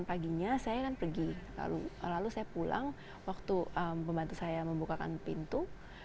paginya saya kan pergi lalu saya pulang waktu pembantu saya membukakan pintu